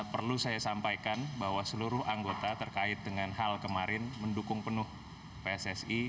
perlu saya sampaikan bahwa seluruh anggota terkait dengan hal kemarin mendukung penuh pssi